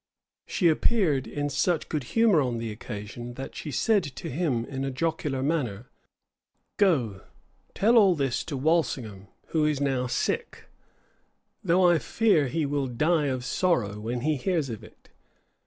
She appeared in such good humour on the occasion, that she said to him in a jocular manner, "Go, tell all this to Walsingham, who is now sick; though I fear he will die of sorrow when he hears of it."